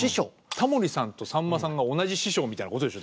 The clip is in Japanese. タモリさんとさんまさんが同じ師匠みたいなことでしょ。